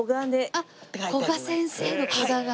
あっ古賀先生の「古賀」が。